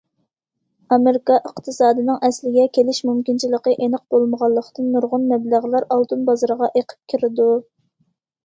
ئامېرىكا ئىقتىسادىنىڭ ئەسلىگە كېلىش مۇمكىنچىلىكى ئېنىق بولمىغانلىقتىن، نۇرغۇن مەبلەغلەر ئالتۇن بازىرىغا ئېقىپ كىرىدۇ.